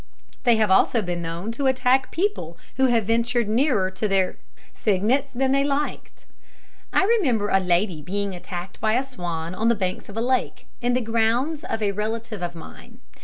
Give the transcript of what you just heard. They have been known also to attack people who have ventured nearer their cygnets than they liked. I remember a lady being attacked by a swan on the banks of a lake, in the grounds of a relative of mine.